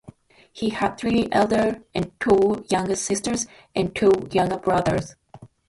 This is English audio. He had three elder and two younger sisters, and two younger brothers.